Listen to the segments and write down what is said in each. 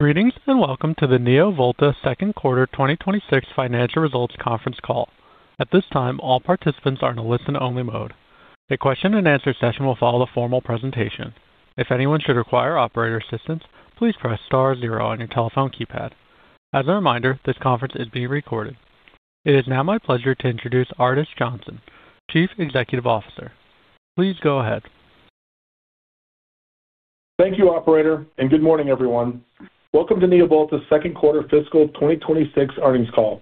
Greetings, and welcome to the NeoVolta second quarter 2026 financial results conference call. At this time, all participants are in a listen-only mode. A question-and-answer session will follow the formal presentation. If anyone should require operator assistance, please press star zero on your telephone keypad. As a reminder, this conference is being recorded. It is now my pleasure to introduce Ardes Johnson, Chief Executive Officer. Please go ahead. Thank you, operator, and good morning, everyone. Welcome to NeoVolta's second quarter fiscal 2026 earnings call.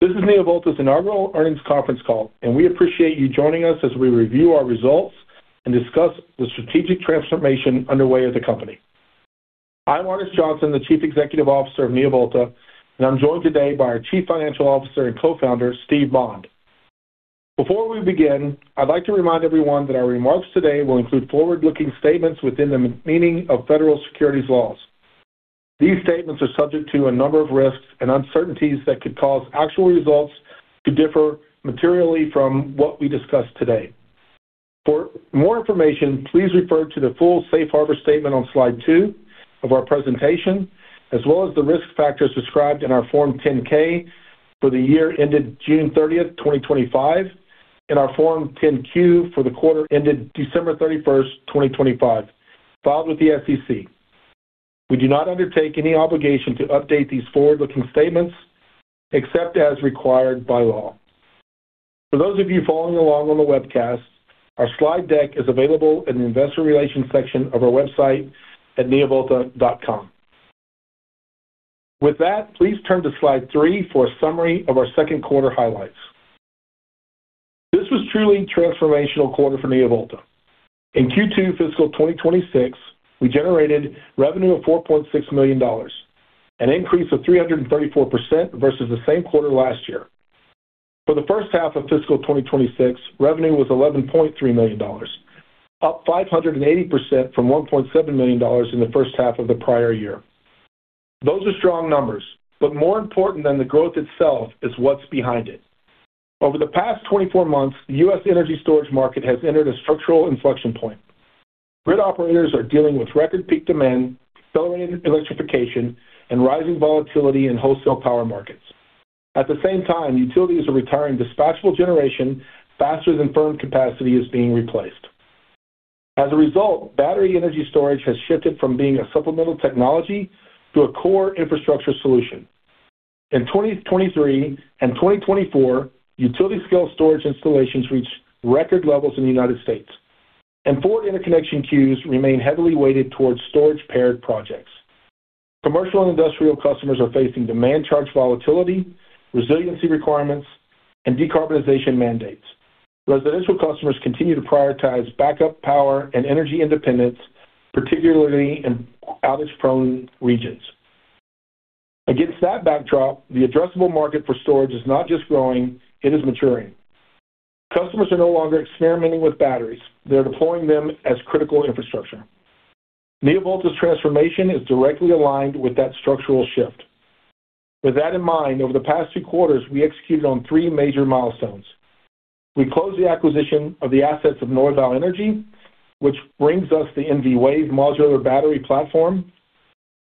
This is NeoVolta's inaugural earnings conference call, and we appreciate you joining us as we review our results and discuss the strategic transformation underway at the company. I'm Ardes Johnson, the Chief Executive Officer of NeoVolta, and I'm joined today by our Chief Financial Officer and Co-founder, Steve Bond. Before we begin, I'd like to remind everyone that our remarks today will include forward-looking statements within the meaning of federal securities laws. These statements are subject to a number of risks and uncertainties that could cause actual results to differ materially from what we discuss today. For more information, please refer to the full safe harbor statement on Slide 2 of our presentation, as well as the risk factors described in our Form 10-K for the year ended June 30th, 2025, and our Form 10-Q for the quarter ended December 31st, 2025, filed with the SEC. We do not undertake any obligation to update these forward-looking statements, except as required by law. For those of you following along on the webcast, our slide deck is available in the investor relations section of our website at neovolta.com. With that, please turn to Slide 3 for a summary of our second quarter highlights. This was a truly transformational quarter for NeoVolta. In Q2 fiscal 2026, we generated revenue of $4.6 million, an increase of 334% versus the same quarter last year. For the first half of fiscal 2026, revenue was $11.3 million, up 580% from $1.7 million in the first half of the prior year. Those are strong numbers, but more important than the growth itself is what's behind it. Over the past 24 months, the U.S. energy storage market has entered a structural inflection point. Grid operators are dealing with record peak demand, accelerated electrification, and rising volatility in wholesale power markets. At the same time, utilities are retiring dispatchable generation faster than firm capacity is being replaced. As a result, battery energy storage has shifted from being a supplemental technology to a core infrastructure solution. In 2023 and 2024, utility scale storage installations reached record levels in the United States, and forward interconnection queues remain heavily weighted towards storage-paired projects. Commercial and industrial customers are facing demand charge volatility, resiliency requirements, and decarbonization mandates. Residential customers continue to prioritize backup power and energy independence, particularly in outage-prone regions. Against that backdrop, the addressable market for storage is not just growing, it is maturing. Customers are no longer experimenting with batteries; they're deploying them as critical infrastructure. NeoVolta's transformation is directly aligned with that structural shift. With that in mind, over the past two quarters, we executed on three major milestones. We closed the acquisition of the assets of Neubau Energy, which brings us the NV Wave modular battery platform.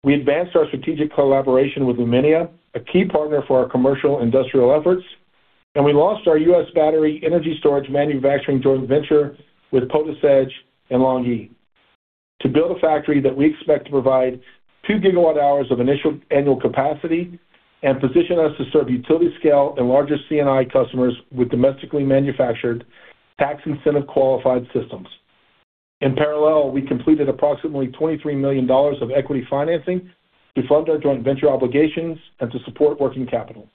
We advanced our strategic collaboration with Luminia, a key partner for our commercial industrial efforts. We launched our U.S. battery energy storage manufacturing joint venture with PotisEdge and LONGi to build a factory that we expect to provide 2 GWh of initial annual capacity and position us to serve utility-scale and larger C&I customers with domestically manufactured tax incentive-qualified systems. In parallel, we completed approximately $23 million of equity financing to fund our joint venture obligations and to support working capital.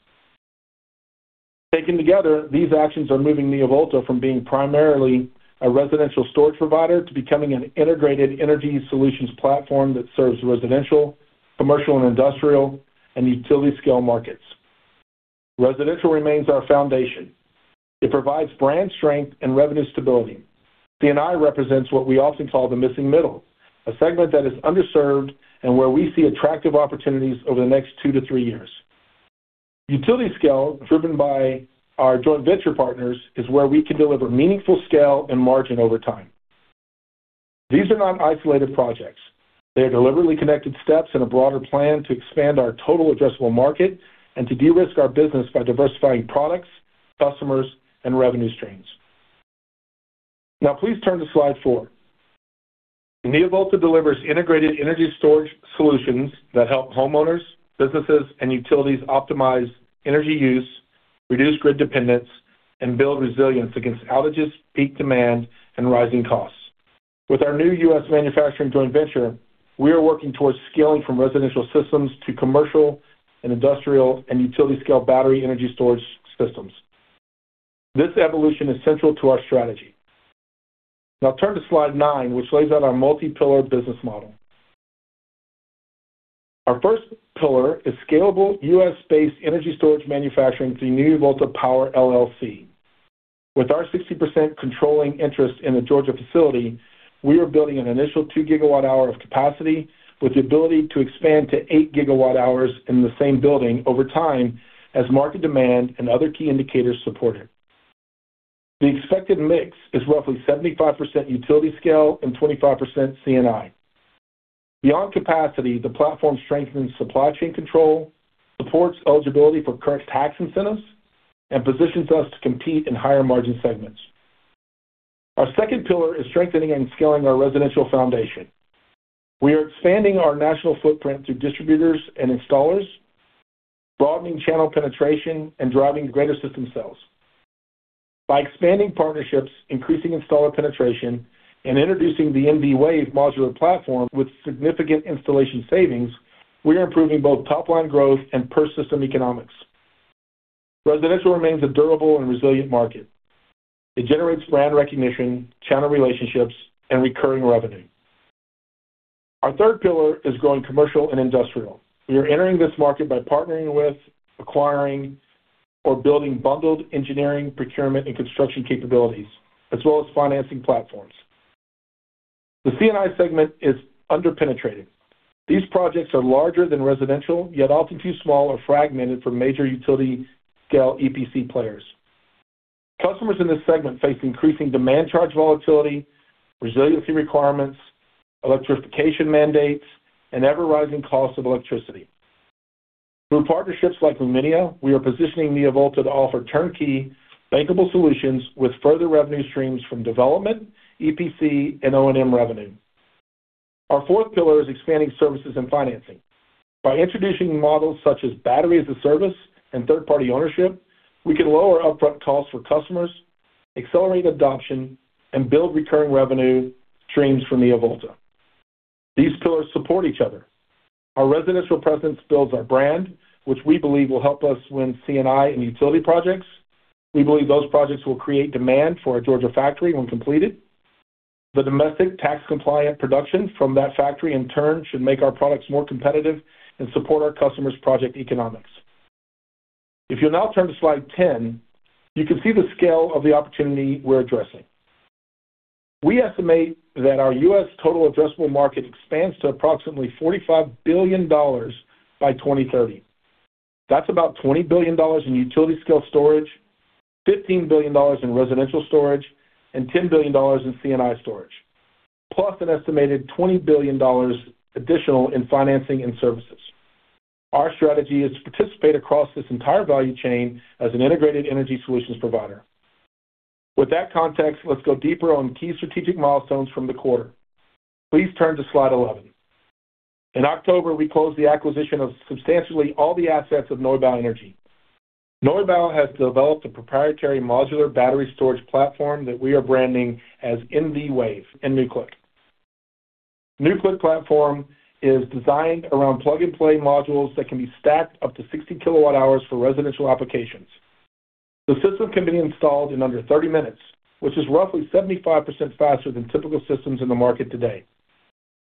Taken together, these actions are moving NeoVolta from being primarily a residential storage provider to becoming an integrated energy solutions platform that serves residential, commercial, and industrial, and utility-scale markets. Residential remains our foundation. It provides brand strength and revenue stability. C&I represents what we often call the missing middle, a segment that is underserved and where we see attractive opportunities over the next two to three years. Utility scale, driven by our joint venture partners, is where we can deliver meaningful scale and margin over time. These are not isolated projects. They are deliberately connected steps in a broader plan to expand our total addressable market and to de-risk our business by diversifying products, customers, and revenue streams. Now, please turn to Slide 4. NeoVolta delivers integrated energy storage solutions that help homeowners, businesses, and utilities optimize energy use, reduce grid dependence, and build resilience against outages, peak demand, and rising costs. With our new U.S. manufacturing joint venture, we are working towards scaling from residential systems to commercial and industrial and utility-scale battery energy storage systems. This evolution is central to our strategy. Now turn to Slide 9, which lays out our multi-pillar business model. Our first pillar is scalable U.S.-based energy storage manufacturing through NeoVolta Power, LLC. With our 60% controlling interest in the Georgia facility, we are building an initial 2 GWh of capacity with the ability to expand to 8 GWh in the same building over time as market demand and other key indicators support it. The expected mix is roughly 75% utility scale and 25% C&I. Beyond capacity, the platform strengthens supply chain control, supports eligibility for current tax incentives, and positions us to compete in higher-margin segments. Our second pillar is strengthening and scaling our residential foundation. We are expanding our national footprint through distributors and installers, broadening channel penetration, and driving greater system sales. By expanding partnerships, increasing installer penetration, and introducing the NV Wave modular platform with significant installation savings, we are improving both top-line growth and per-system economics. Residential remains a durable and resilient market. It generates brand recognition, channel relationships, and recurring revenue. Our third pillar is growing commercial and industrial. We are entering this market by partnering with, acquiring, or building bundled engineering, procurement, and construction capabilities, as well as financing platforms. The C&I segment is under-penetrated. These projects are larger than residential, yet often too small or fragmented for major utility-scale EPC players. Customers in this segment face increasing demand charge volatility, resiliency requirements, electrification mandates, and ever-rising costs of electricity. Through partnerships like Luminia, we are positioning NeoVolta to offer turnkey, bankable solutions with further revenue streams from development, EPC, and O&M revenue. Our fourth pillar is expanding services and financing. By introducing models such as battery as a service and third-party ownership, we can lower upfront costs for customers, accelerate adoption, and build recurring revenue streams for NeoVolta. These pillars support each other. Our residential presence builds our brand, which we believe will help us win C&I and utility projects. We believe those projects will create demand for our Georgia factory when completed. The domestic tax-compliant production from that factory, in turn, should make our products more competitive and support our customers' project economics. If you'll now turn to Slide 10, you can see the scale of the opportunity we're addressing. We estimate that our U.S. total addressable market expands to approximately $45 billion by 2030. That's about $20 billion in utility-scale storage, $15 billion in residential storage, and $10 billion in C&I storage, plus an estimated $20 billion additional in financing and services. Our strategy is to participate across this entire value chain as an integrated energy solutions provider. With that context, let's go deeper on key strategic milestones from the quarter. Please turn to Slide 11. In October, we closed the acquisition of substantially all the assets of Neubau Energy. Neubau has developed a proprietary modular battery storage platform that we are branding as NV Wave and neuClick. NeuClick platform is designed around plug-and-play modules that can be stacked up to 60 kWh for residential applications. The system can be installed in under 30 minutes, which is roughly 75% faster than typical systems in the market today.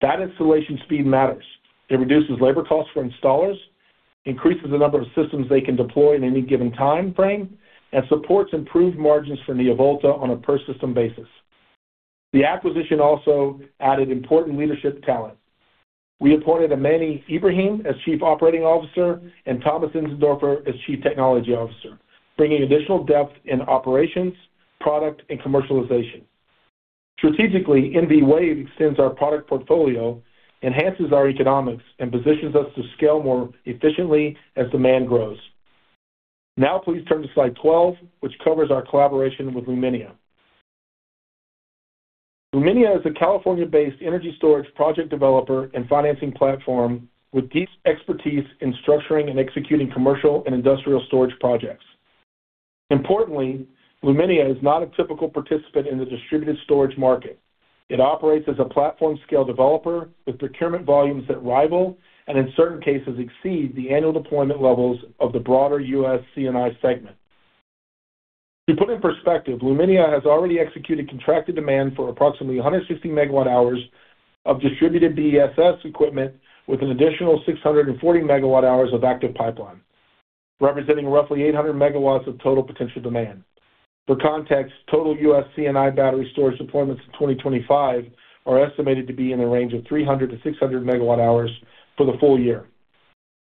That installation speed matters. It reduces labor costs for installers, increases the number of systems they can deploy in any given time frame, and supports improved margins for NeoVolta on a per-system basis. The acquisition also added important leadership talent. We appointed Amany Ibrahim as Chief Operating Officer and Thomas Enzendorfer as Chief Technology Officer, bringing additional depth in operations, product, and commercialization. Strategically, NV Wave extends our product portfolio, enhances our economics, and positions us to scale more efficiently as demand grows. Now please turn to Slide 12, which covers our collaboration with Luminia. Luminia is a California-based energy storage project developer and financing platform with deep expertise in structuring and executing commercial and industrial storage projects. Importantly, Luminia is not a typical participant in the distributed storage market. It operates as a platform scale developer with procurement volumes that rival, and in certain cases, exceed the annual deployment levels of the broader U.S. C&I segment. To put it in perspective, Luminia has already executed contracted demand for approximately 160 MWh of distributed BESS equipment, with an additional 640 MWh of active pipeline, representing roughly 800 MW of total potential demand. For context, total U.S. C&I battery storage deployments in 2025 are estimated to be in the range of 300-600 MWh for the full year.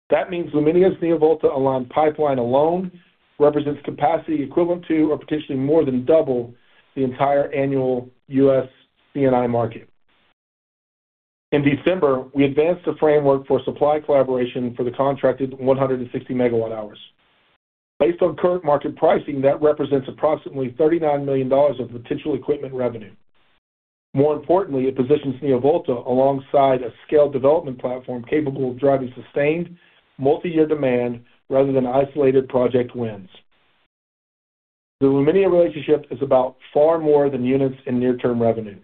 That means Luminia's NeoVolta-led pipeline alone represents capacity equivalent to, or potentially more than double the entire annual U.S. C&I market. In December, we advanced a framework for supply collaboration for the contracted 160 MWh. Based on current market pricing, that represents approximately $39 million of potential equipment revenue. More importantly, it positions NeoVolta alongside a scaled development platform capable of driving sustained multi-year demand rather than isolated project wins. The Luminia relationship is about far more than units in near-term revenue.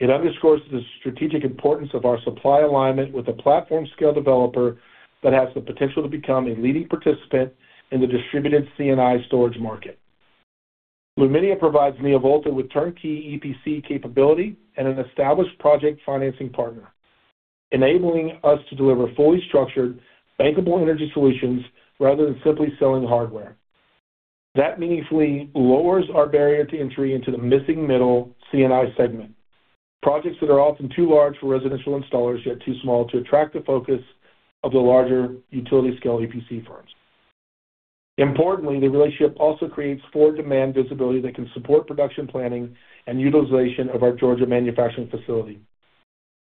It underscores the strategic importance of our supply alignment with a platform scale developer that has the potential to become a leading participant in the distributed C&I storage market. Luminia provides NeoVolta with turnkey EPC capability and an established project financing partner, enabling us to deliver fully structured, bankable energy solutions rather than simply selling hardware. That meaningfully lowers our barrier to entry into the missing middle C&I segment. Projects that are often too large for residential installers, yet too small to attract the focus of the larger utility-scale EPC firms. Importantly, the relationship also creates forward demand visibility that can support production, planning, and utilization of our Georgia manufacturing facility.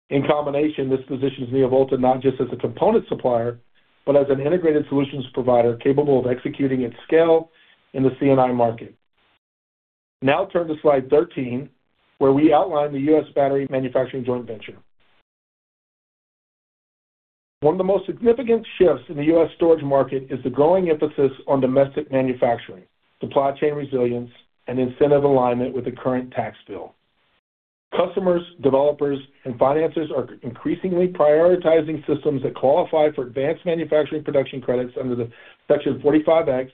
In combination, this positions NeoVolta not just as a component supplier, but as an integrated solutions provider capable of executing at scale in the C&I market. Now turn to Slide 13, where we outline the U.S. battery manufacturing joint venture. One of the most significant shifts in the U.S. storage market is the growing emphasis on domestic manufacturing, supply chain resilience, and incentive alignment with the current tax bill. Customers, developers, and financers are increasingly prioritizing systems that qualify for advanced manufacturing production credits under the Section 45X,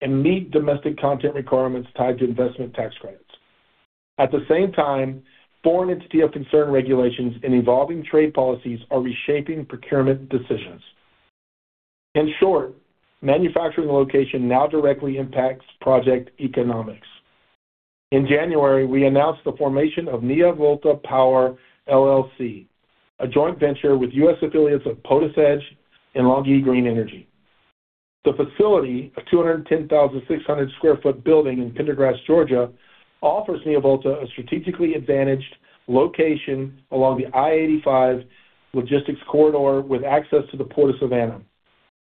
and meet domestic content requirements tied to investment tax credits. At the same time, Foreign Entity of Concern regulations and evolving trade policies are reshaping procurement decisions. In short, manufacturing location now directly impacts project economics. In January, we announced the formation of NeoVolta Power, LLC, a joint venture with U.S. affiliates of PotisEdge and LONGi Green Energy. The facility, a 210,600 sq ft building in Pendergrass, Georgia, offers NeoVolta a strategically advantaged location along the I-85 logistics corridor, with access to the Port of Savannah.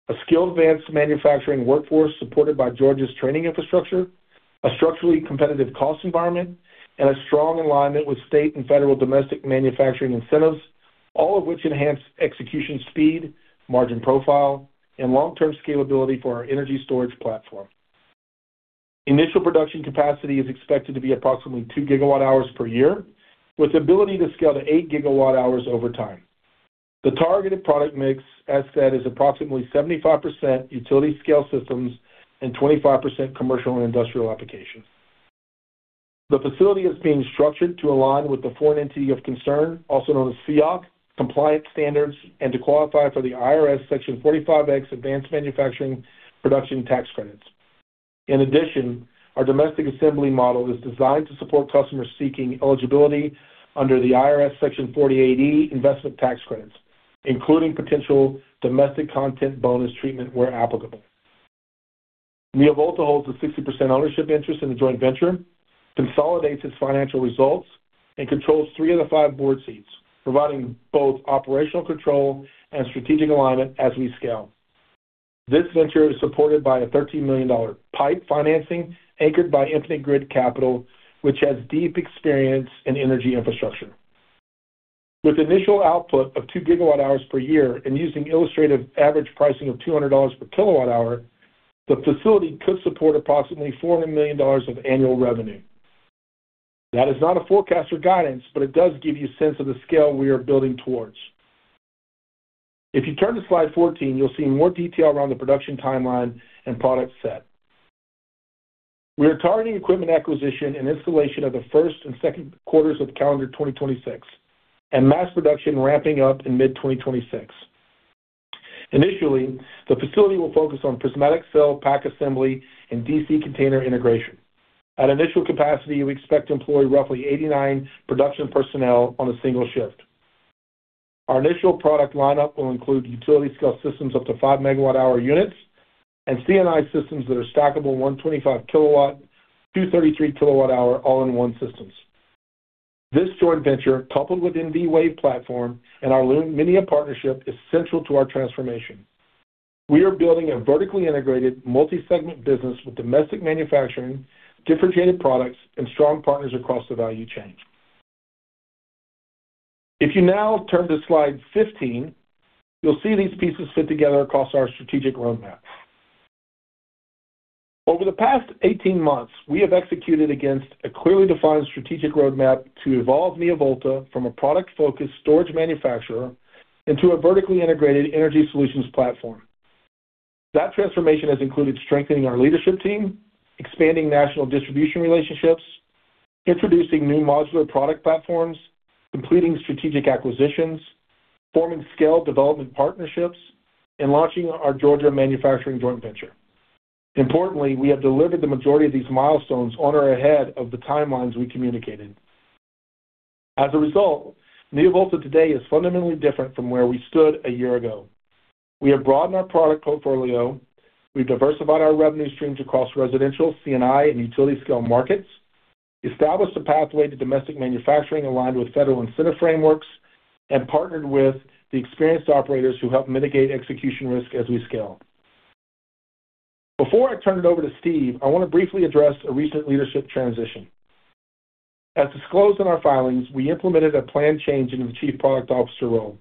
A skilled advanced manufacturing workforce, supported by Georgia's training infrastructure, a structurally competitive cost environment, and a strong alignment with state and federal domestic manufacturing incentives, all of which enhance execution, speed, margin profile, and long-term scalability for our energy storage platform. Initial production capacity is expected to be approximately 2 GWh per year, with the ability to scale to 8 GWh over time. The targeted product mix, as said, is approximately 75% utility scale systems and 25% commercial and industrial applications. The facility is being structured to align with the foreign entity of concern, also known as FEOC, compliance standards, and to qualify for the IRS Section 45X advanced manufacturing production tax credits. In addition, our domestic assembly model is designed to support customers seeking eligibility under the IRS Section 48E, investment tax credits, including potential domestic content bonus treatment where applicable. NeoVolta holds a 60% ownership interest in the joint venture, consolidates its financial results, and controls three of the five board seats, providing both operational control and strategic alignment as we scale. This venture is supported by a $13 million PIPE financing, anchored by Infinite Grid Capital, which has deep experience in energy infrastructure. With initial output of 2 GWh per year and using illustrative average pricing of $200 per kWh, the facility could support approximately $400 million of annual revenue. That is not a forecast or guidance, but it does give you a sense of the scale we are building toward. If you turn to Slide 14, you'll see more detail around the production timeline and product set. We are targeting equipment acquisition and installation of the first and second quarters of calendar 2026, and mass production ramping up in mid-2026. Initially, the facility will focus on prismatic cell pack assembly and DC container integration. At initial capacity, we expect to employ roughly 89 production personnel on a single shift. Our initial product lineup will include utility scale systems up to 5 MWh units, and C&I systems that are stackable 125 kW to 33 kWh all-in-one systems. This joint venture, coupled with NV Wave platform and our LONGi partnership, is central to our transformation. We are building a vertically integrated, multi-segment business with domestic manufacturing, differentiated products, and strong partners across the value chain. If you now turn to Slide 15, you'll see these pieces fit together across our strategic roadmap. Over the past 18 months, we have executed against a clearly defined strategic roadmap to evolve NeoVolta from a product-focused storage manufacturer into a vertically integrated energy solutions platform. That transformation has included strengthening our leadership team, expanding national distribution relationships, introducing new modular product platforms, completing strategic acquisitions, forming scale development partnerships, and launching our Georgia manufacturing joint venture. Importantly, we have delivered the majority of these milestones on or ahead of the timelines we communicated. As a result, NeoVolta today is fundamentally different from where we stood a year ago. We have broadened our product portfolio, we've diversified our revenue streams across residential, C&I, and utility-scale markets, established a pathway to domestic manufacturing aligned with federal incentive frameworks, and partnered with the experienced operators who help mitigate execution risk as we scale. Before I turn it over to Steve, I want to briefly address a recent leadership transition. As disclosed in our filings, we implemented a planned change in the Chief Product Officer role.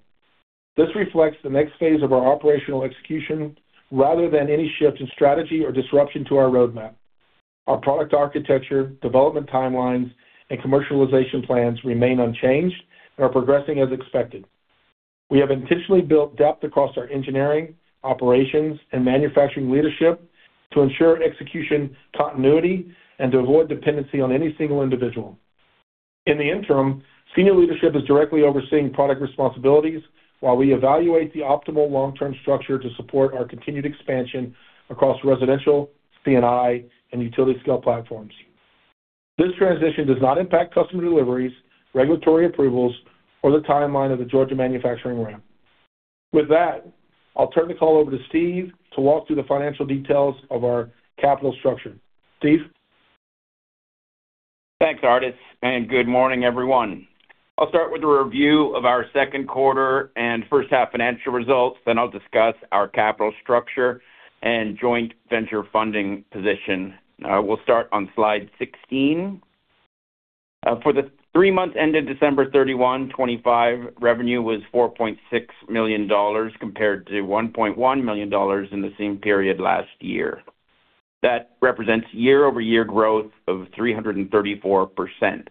This reflects the next phase of our operational execution rather than any shift in strategy or disruption to our roadmap. Our product architecture, development timelines, and commercialization plans remain unchanged and are progressing as expected. We have intentionally built depth across our engineering, operations, and manufacturing leadership to ensure execution, continuity, and to avoid dependency on any single individual. In the interim, senior leadership is directly overseeing product responsibilities while we evaluate the optimal long-term structure to support our continued expansion across residential, C&I, and utility-scale platforms. This transition does not impact customer deliveries, regulatory approvals, or the timeline of the Georgia manufacturing ramp. With that, I'll turn the call over to Steve to walk through the financial details of our capital structure. Steve? Thanks, Ardes, and good morning, everyone. I'll start with a review of our second quarter and first half financial results. Then I'll discuss our capital structure and joint venture funding position. We'll start on Slide 16. For the three months ended December 31, 2025, revenue was $4.6 million, compared to $1.1 million in the same period last year. That represents year-over-year growth of 334%.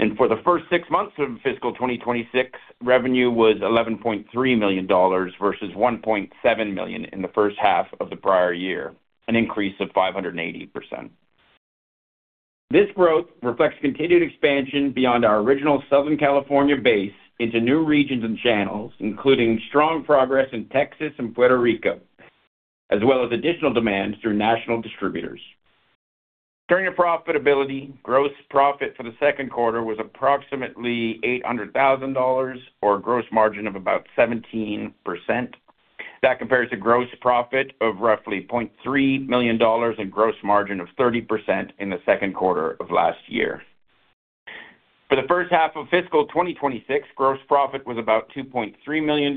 And for the first six months of fiscal 2026, revenue was $11.3 million versus $1.7 million in the first half of the prior year, an increase of 580%. This growth reflects continued expansion beyond our original Southern California base into new regions and channels, including strong progress in Texas and Puerto Rico, as well as additional demands through national distributors. Turning to profitability, gross profit for the second quarter was approximately $800,000, or a gross margin of about 17%. That compares to gross profit of roughly $0.3 million and gross margin of 30% in the second quarter of last year. For the first half of fiscal 2026, gross profit was about $2.3 million,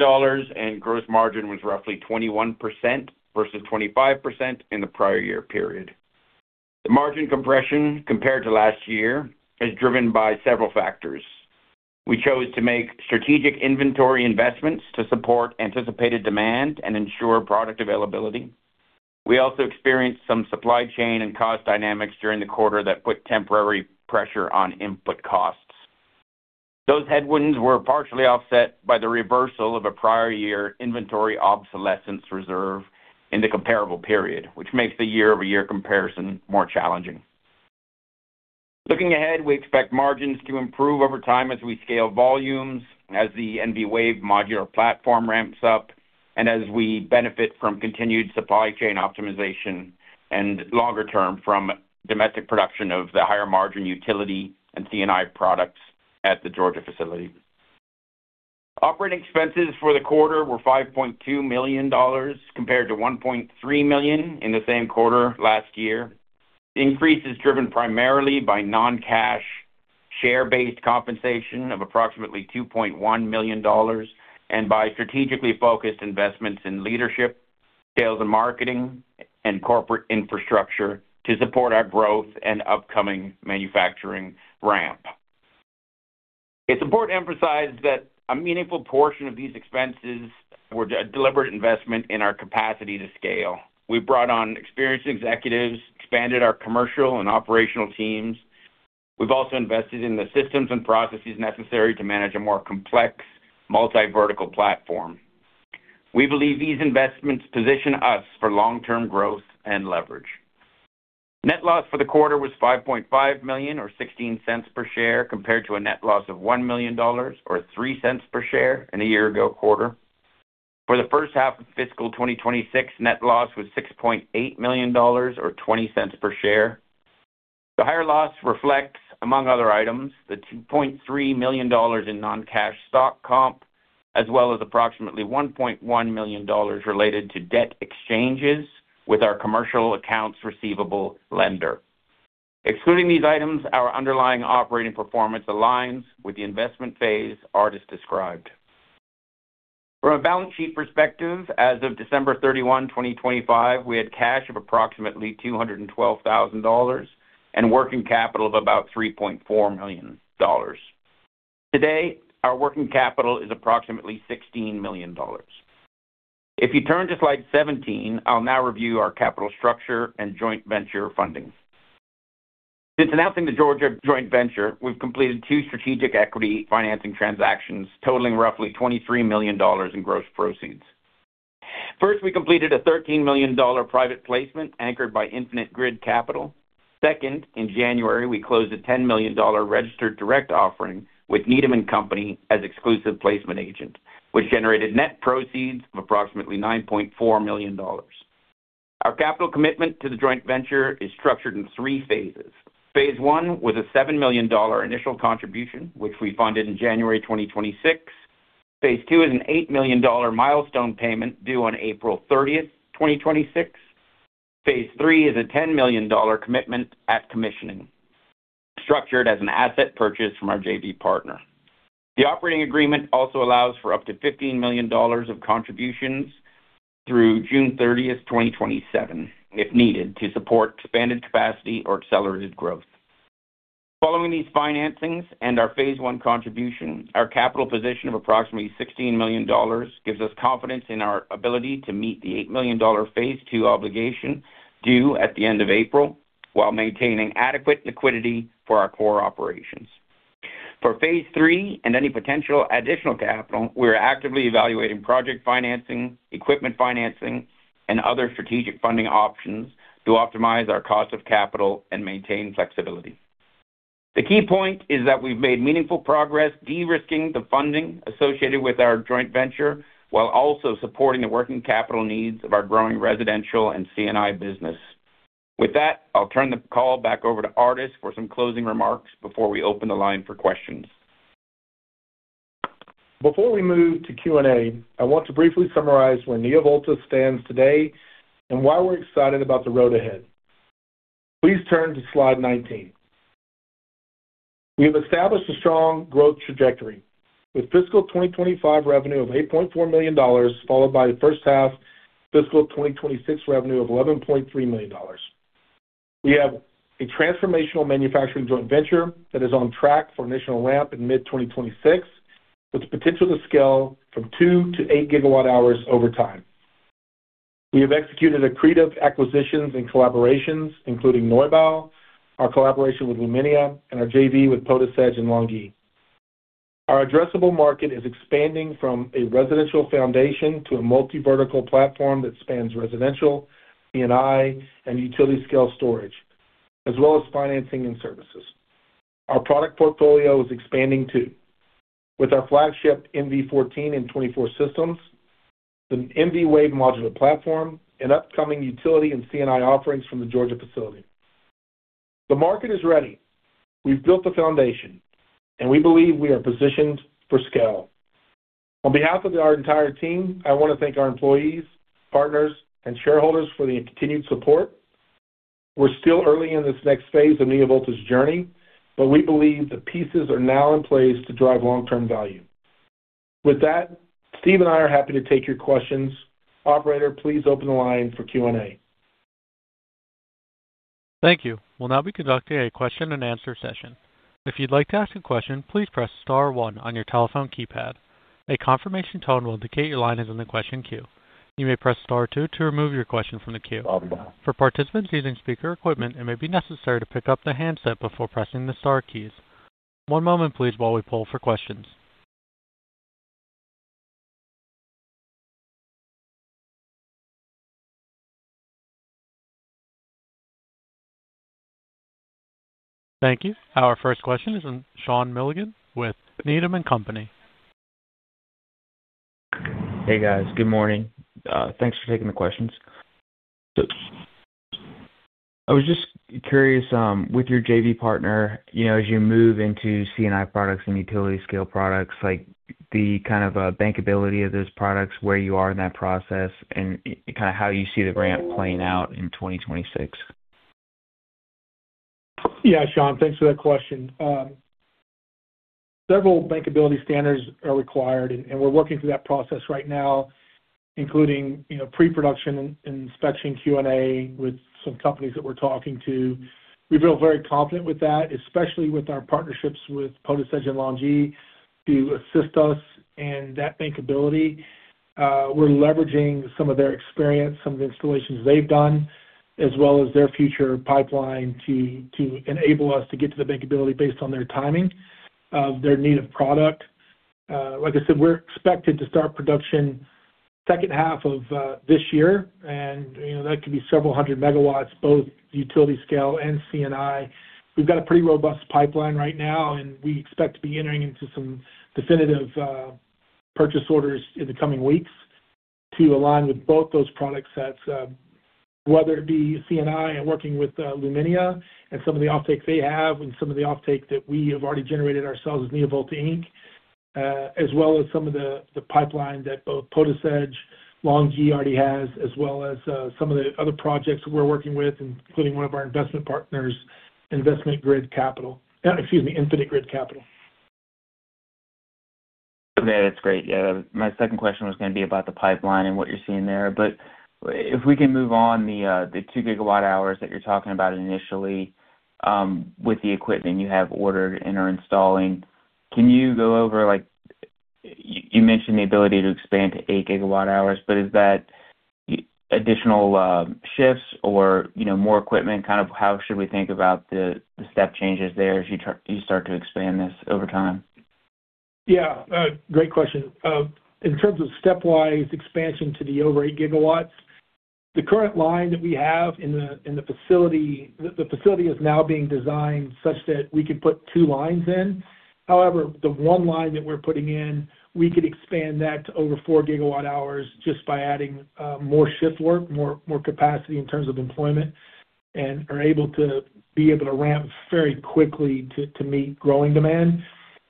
and gross margin was roughly 21% versus 25% in the prior year period. The margin compression compared to last year is driven by several factors. We chose to make strategic inventory investments to support anticipated demand and ensure product availability. We also experienced some supply chain and cost dynamics during the quarter that put temporary pressure on input costs. Those headwinds were partially offset by the reversal of a prior year inventory obsolescence reserve in the comparable period, which makes the year-over-year comparison more challenging. Looking ahead, we expect margins to improve over time as we scale volumes, as the NV Wave modular platform ramps up, and as we benefit from continued supply chain optimization and longer term, from domestic production of the higher-margin utility and C&I products at the Georgia facility. Operating expenses for the quarter were $5.2 million, compared to $1.3 million in the same quarter last year. The increase is driven primarily by non-cash, share-based compensation of approximately $2.1 million and by strategically focused investments in leadership, sales and marketing, and corporate infrastructure to support our growth and upcoming manufacturing ramp. It's important to emphasize that a meaningful portion of these expenses were a deliberate investment in our capacity to scale. We brought on experienced executives, expanded our commercial and operational teams. We've also invested in the systems and processes necessary to manage a more complex, multi-vertical platform. We believe these investments position us for long-term growth and leverage. Net loss for the quarter was $5.5 million, or $0.16 per share, compared to a net loss of $1 million, or $0.03 per share in a year-ago-quarter. For the first half of fiscal 2026, net loss was $6.8 million, or $0.20 per share. The higher loss reflects, among other items, the $2.3 million in non-cash stock comp, as well as approximately $1.1 million related to debt exchanges with our commercial accounts receivable lender. Excluding these items, our underlying operating performance aligns with the investment phase Ardes described. From a balance sheet perspective, as of December 31, 2025, we had cash of approximately $212,000 and working capital of about $3.4 million. Today, our working capital is approximately $16 million. If you turn to Slide 17, I'll now review our capital structure and joint venture funding. Since announcing the Georgia joint venture, we've completed two strategic equity financing transactions totaling roughly $23 million in gross proceeds. First, we completed a $13 million private placement anchored by Infinite Grid Capital. Second, in January, we closed a $10 million registered direct offering with Needham & Company as exclusive placement agent, which generated net proceeds of approximately $9.4 million. Our capital commitment to the joint venture is structured in three phases. Phase I was a $7 million initial contribution, which we funded in January 2026. Phase II is an $8 million milestone payment due on April 30th, 2026. Phase III is a $10 million commitment at commissioning, structured as an asset purchase from our JV partner. The operating agreement also allows for up to $15 million of contributions through June 30th, 2027, if needed, to support expanded capacity or accelerated growth. Following these financings and our Phase I contribution, our capital position of approximately $16 million gives us confidence in our ability to meet the $8 million Phase II obligation due at the end of April, while maintaining adequate liquidity for our core operations. For Phase III and any potential additional capital, we are actively evaluating project financing, equipment financing, and other strategic funding options to optimize our cost of capital and maintain flexibility. The key point is that we've made meaningful progress, de-risking the funding associated with our joint venture, while also supporting the working capital needs of our growing residential and C&I business. With that, I'll turn the call back over to Ardes for some closing remarks before we open the line for questions. Before we move to Q&A, I want to briefly summarize where NeoVolta stands today and why we're excited about the road ahead. Please turn to Slide 19. We have established a strong growth trajectory with fiscal 2025 revenue of $8.4 million, followed by the first half fiscal 2026 revenue of $11.3 million. We have a transformational manufacturing joint venture that is on track for initial ramp in mid-2026, with the potential to scale from 2 GWh-8 GWh over time. We have executed accretive acquisitions and collaborations, including Neubau, our collaboration with Luminia and our JV with PotisEdge and LONGi. Our addressable market is expanding from a residential foundation to a multi-vertical platform that spans residential, C&I, and utility-scale storage, as well as financing and services. Our product portfolio is expanding, too, with our flagship NV14 and 24 systems, the NV Wave modular platform, and upcoming utility and C&I offerings from the Georgia facility. The market is ready. We've built the foundation, and we believe we are positioned for scale. On behalf of our entire team, I want to thank our employees, partners, and shareholders for the continued support. We're still early in this next phase of NeoVolta's journey, but we believe the pieces are now in place to drive long-term value. With that, Steve and I are happy to take your questions. Operator, please open the line for Q&A. Thank you. We'll now be conducting a question-and-answer session. If you'd like to ask a question, please press star one on your telephone keypad. A confirmation tone will indicate your line is in the question queue. You may press star two to remove your question from the queue. For participants using speaker equipment, it may be necessary to pick up the handset before pressing the star keys. One moment please, while we pull for questions. Thank you. Our first question is Sean Milligan with Needham & Company. Hey, guys. Good morning. Thanks for taking the questions. I was just curious, with your JV partner, you know, as you move into C&I products and utility scale products, like the kind of bankability of those products, where you are in that process and kind of how you see the ramp playing out in 2026? Yeah, Sean, thanks for that question. Several bankability standards are required, and we're working through that process right now, including, you know, pre-production and inspection Q&A with some companies that we're talking to. We feel very confident with that, especially with our partnerships with PotisEdge and LONGi, to assist us in that bankability. We're leveraging some of their experience, some of the installations they've done, as well as their future pipeline to, to enable us to get to the bankability based on their timing of their need of product. Like I said, we're expected to start production second half of this year, and, you know, that could be several hundred megawatts, both utility scale and C&I. We've got a pretty robust pipeline right now, and we expect to be entering into some definitive purchase orders in the coming weeks to align with both those product sets, whether it be C&I and working with Luminia and some of the offtake they have and some of the offtake that we have already generated ourselves as NeoVolta Inc. As well as some of the pipeline that both PotisEdge, LONGi already has, as well as some of the other projects we're working with, including one of our investment partners, Infinite Grid Capital. Yeah, that's great. Yeah. My second question was going to be about the pipeline and what you're seeing there, but if we can move on, the 2 GWh that you're talking about initially, with the equipment you have ordered and are installing, you mentioned the ability to expand to 8 GWh, but is that additional shifts or, you know, more equipment? Kind of, how should we think about the step changes there as you start to expand this over time? Yeah, great question. In terms of stepwise expansion to the over 8 GW, the current line that we have in the facility is now being designed such that we can put 2 two lines in. However, the one line that we're putting in, we could expand that to over 4 GWh just by adding more shift work, more capacity in terms of employment, and are able to ramp very quickly to meet growing demand.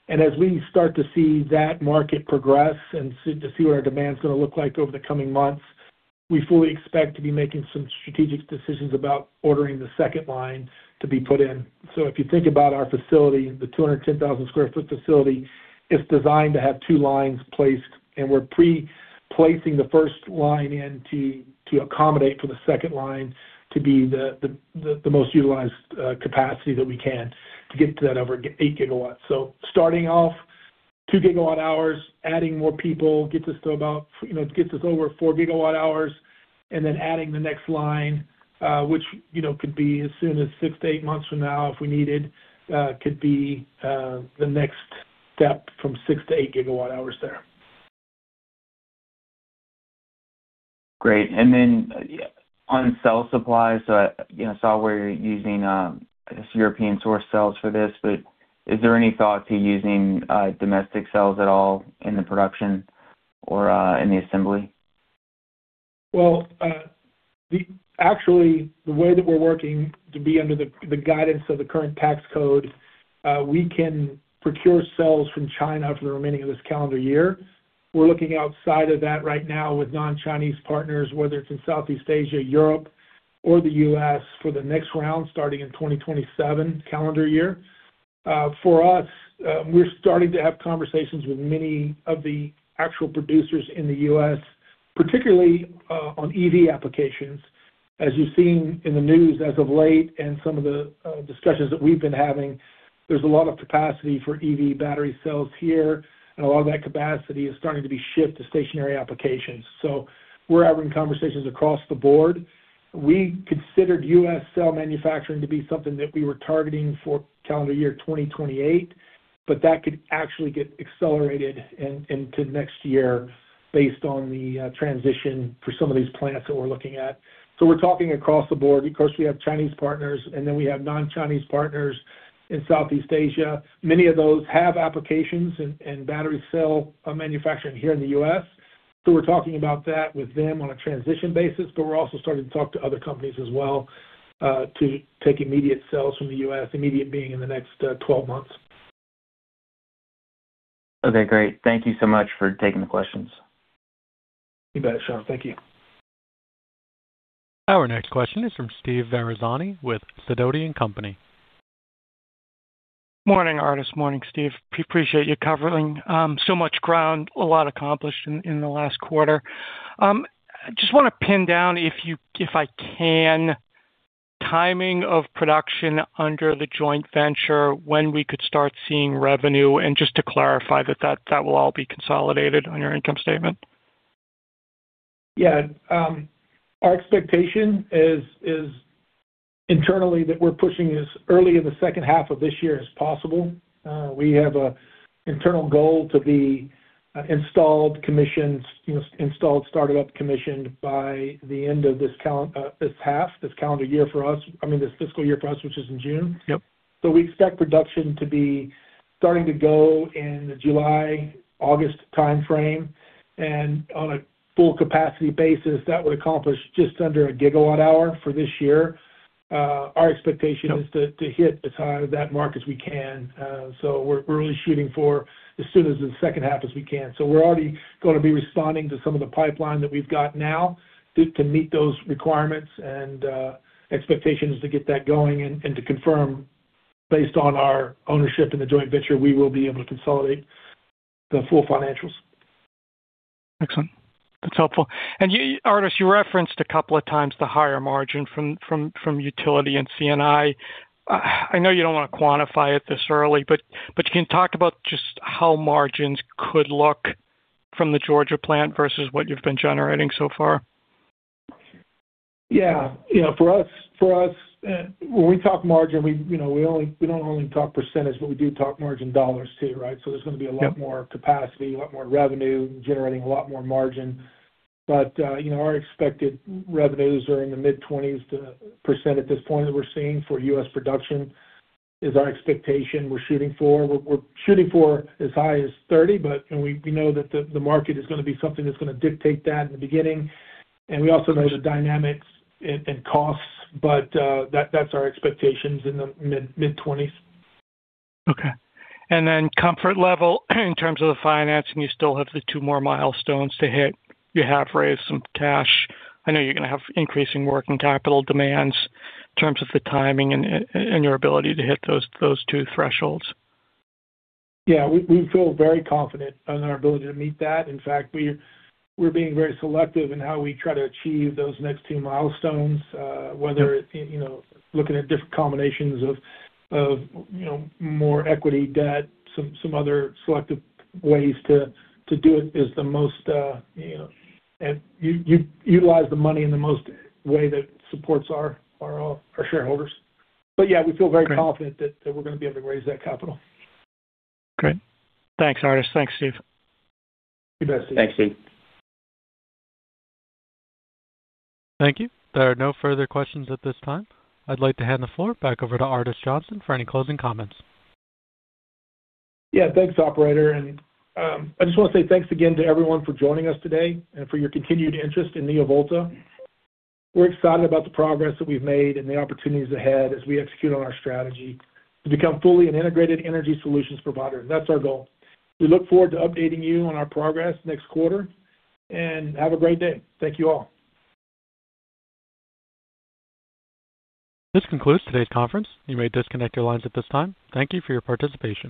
And as we start to see that market progress and to see what our demand is going to look like over the coming months, we fully expect to be making some strategic decisions about ordering the second line to be put in. So if you think about our facility, the 210,000 sq ft facility, it's designed to have two lines placed, and we're preplacing the first line into to accommodate for the second line, to be the most utilized capacity that we can to get to that over 8 GW. So starting off, 2 GW hours, adding more people gets us to about, you know, gets us over 4 GW hours, and then adding the next line, which, you know, could be as soon as six to eight months from now, if we need it, could be the next step from 6 GW-8 GW hours there. Great. And then, yeah, on cell supply, so I, you know, saw where you're using European source cells for this, but is there any thought to using domestic cells at all in the production or in the assembly? Well, actually, the way that we're working to be under the guidance of the current tax code, we can procure cells from China for the remaining of this calendar year. We're looking outside of that right now with non-Chinese partners, whether it's in Southeast Asia, Europe, or the U.S., for the next round, starting in 2027 calendar year. For us, we're starting to have conversations with many of the actual producers in the U.S., particularly on EV applications. As you've seen in the news as of late and some of the discussions that we've been having, there's a lot of capacity for EV battery cells here, and a lot of that capacity is starting to be shipped to stationary applications. So we're having conversations across the board. We considered U.S. cell manufacturing to be something that we were targeting for calendar year 2028, but that could actually get accelerated into next year based on the transition for some of these plants that we're looking at. So we're talking across the board. Of course, we have Chinese partners, and then we have non-Chinese partners in Southeast Asia. Many of those have applications and battery cell manufacturing here in the U.S., so we're talking about that with them on a transition basis. But we're also starting to talk to other companies as well, to take immediate cells from the U.S., immediate being in the next 12 months. Okay, great. Thank you so much for taking the questions. You bet, Sean. Thank you. Our next question is from Steve Ferazani with Sidoti & Company. Morning, Ardes. Morning, Steve. Appreciate you covering so much ground. A lot accomplished in the last quarter. I just want to pin down if I can, timing of production under the joint venture, when we could start seeing revenue, and just to clarify that that will all be consolidated on your income statement. Yeah. Our expectation is internally, that we're pushing as early in the second half of this year as possible. We have a internal goal to be installed, commissioned, you know, installed, started up, commissioned by the end of this half, this calendar year for us. I mean, this fiscal year for us, which is in June. Yep. So we expect production to be starting to go in the July-August timeframe, and on a full capacity basis, that would accomplish just under 1 GWh for this year. Our expectation is to hit as high as that mark as we can. So we're really shooting for as soon as the second half as we can. So we're already going to be responding to some of the pipeline that we've got now to meet those requirements and expectations to get that going. And to confirm, based on our ownership in the joint venture, we will be able to consolidate the full financials. Excellent. That's helpful. Ardes, you referenced a couple of times the higher margin from utility and C&I. I know you don't want to quantify it this early, but can you talk about just how margins could look from the Georgia plant versus what you've been generating so far? Yeah. You know for us, when we talk margin, we don't only talk percentage, but we do talk margin dollars, too, right? So there's going to be a lot more- Yep Capacity, a lot more revenue, generating a lot more margin. But you know, our expected revenues are in the mid-20s to 30% at this point that we're seeing for U.S. production, is our expectation we're shooting for. We're shooting for as high as 30%, but and we know that the market is going to be something that's going to dictate that in the beginning. Right. We also know the dynamics and costs, but that's our expectations in the mid-20s. Okay. And then comfort level, in terms of the financing, you still have the two more milestones to hit. You have raised some cash. I know you're going to have increasing working capital demands in terms of the timing and your ability to hit those two thresholds. Yeah, we feel very confident in our ability to meet that. In fact, we're being very selective in how we try to achieve those next two milestones. Yep Whether it, you know, looking at different combinations of, you know, more equity debt. Some other selective ways to do it is the most, you know, and utilize the money in the most way that supports our shareholders. But yeah- Great We feel very confident that we're going to be able to raise that capital. Great. Thanks, Ardes. Thanks, Steve. You bet, Steve. Thanks, Steve. Thank you. There are no further questions at this time. I'd like to hand the floor back over to Ardes Johnson for any closing comments. Yeah, thanks, operator, and I just want to say thanks again to everyone for joining us today and for your continued interest in NeoVolta. We're excited about the progress that we've made and the opportunities ahead as we execute on our strategy to become fully an integrated energy solutions provider. That's our goal. We look forward to updating you on our progress next quarter, and have a great day. Thank you all. This concludes today's conference. You may disconnect your lines at this time. Thank you for your participation.